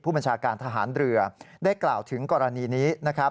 ผู้บัญชาการทหารเรือได้กล่าวถึงกรณีนี้